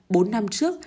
bốn năm trước